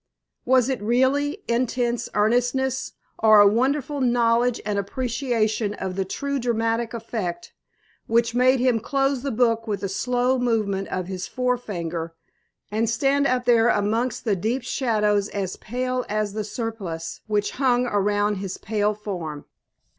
Was it really intense earnestness or a wonderful knowledge and appreciation of true dramatic effect which made him close the book with a slow movement of his forefinger, and stand up there amongst the deep shadows as pale as the surplice which hung around his pale form?